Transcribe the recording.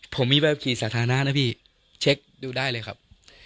ผมมีแบบขี่สาธารณะนะพี่เช็คดูได้เลยครับ